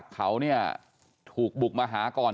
เขาเนี่ยถูกบุกมาหาก่อน